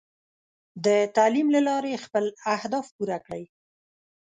د تعلیم له لارې خپل اهداف پوره کړئ.